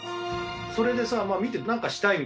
それでさ。